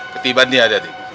ketiban dia ada nih